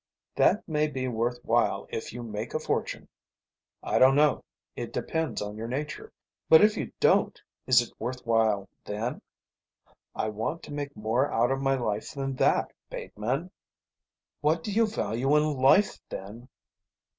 That may be worth while if you make a fortune; I don't know, it depends on your nature; but if you don't, is it worth while then? I want to make more out of my life than that, Bateman." "What do you value in life then?"